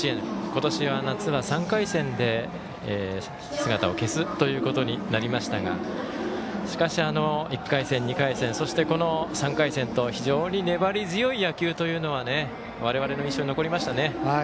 今年は夏は３回戦で姿を消すということになりましたがしかし、１回戦、２回戦そして、この３回戦と非常に粘り強い野球というのは我々の印象に残りましたね。